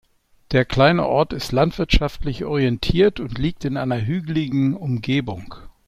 Der kleine Ort ist landwirtschaftlich orientiert und liegt in einer hügeligen Umgebung.